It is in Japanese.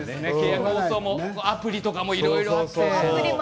アプリとかもいろいろあって。